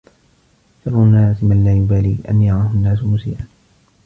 شَرُّ النَّاسِ مَنْ لَا يُبَالِي أَنْ يَرَاهُ النَّاسُ مُسِيئًا